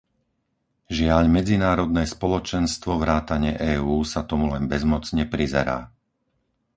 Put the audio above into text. Žiaľ medzinárodné spoločenstvo vrátane EÚ sa tomu len bezmocne prizerá.